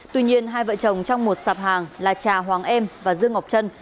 tuy nhiên hai vợ chồng trong một sạp hàng là trà hoàng em và dương ngọc trân